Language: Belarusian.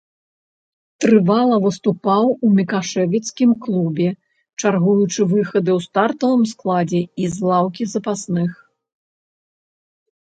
Трывала выступаў у мікашэвіцкім клубе, чаргуючы выхады ў стартавым складзе і з лаўкі запасных.